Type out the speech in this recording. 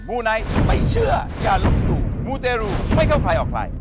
ูไนท์ไม่เชื่ออย่าลบหลู่มูเตรูไม่เข้าใครออกใคร